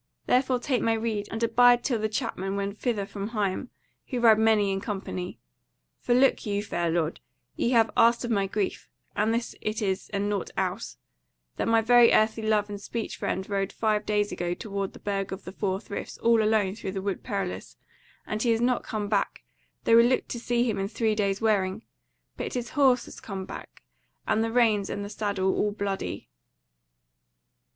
Therefore take my rede, and abide till the Chapmen wend thither from Higham, who ride many in company. For, look you, fair lord, ye have asked of my grief, and this it is and nought else; that my very earthly love and speech friend rode five days ago toward the Burg of the Four Friths all alone through the Wood Perilous, and he has not come back, though we looked to see him in three days' wearing: but his horse has come back, and the reins and the saddle all bloody."